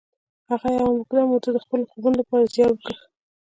هغه یوه اوږده موده د خپلو خوبونو لپاره زیار وکیښ